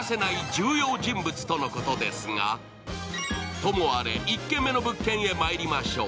ともあれ、１軒目の物件へまいりましょう。